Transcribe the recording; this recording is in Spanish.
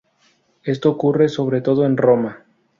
Esto ocurre sobre todo en Roma.